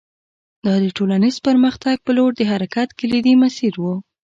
دا د ټولنیز پرمختګ په لور د حرکت کلیدي مسیر و